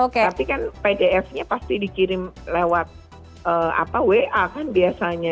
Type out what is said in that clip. tapi kan pdf nya pasti dikirim lewat wa kan biasanya